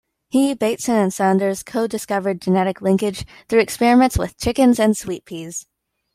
He, Bateson and Saunders co-discovered genetic linkage through experiments with chickens and sweet peas.